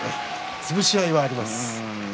潰し合いがあります。